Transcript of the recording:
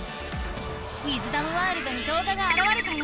「ウィズダムワールド」にどうががあらわれたよ！